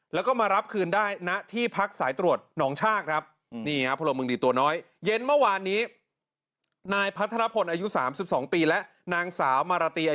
แล้วก็มารับคืนได้ณที่พักสายตรวจหนองชากครับ